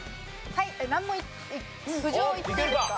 はい難問浮上いっていいですか？